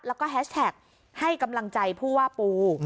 แล้วก็แฮชแท็กให้กำลังใจผู้ว่าปู